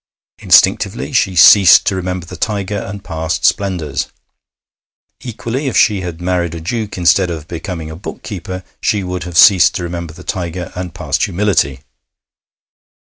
Instinctively she ceased to remember the Tiger and past splendours. (Equally, if she had married a Duke instead of becoming a book keeper, she would have ceased to remember the Tiger and past humility.)